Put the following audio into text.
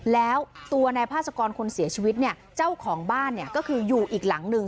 แล้วตัวนายพาสกรคนเสียชีวิตเนี่ยเจ้าของบ้านเนี่ยก็คืออยู่อีกหลังหนึ่ง